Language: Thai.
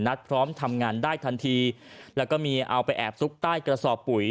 พร้อมทำงานได้ทันทีแล้วก็มีเอาไปแอบซุกใต้กระสอบปุ๋ย